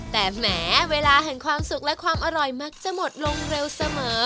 แต่แหมเวลาแห่งความสุขและความอร่อยมักจะหมดลงเร็วเสมอ